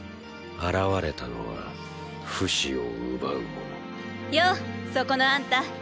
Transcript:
現れたのはフシを奪う者ようそこのあんた。